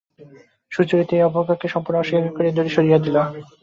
সুচরিতা এই অবজ্ঞাকে সম্পূর্ণ অস্বীকার করিয়া দূরে সরাইয়া দিল।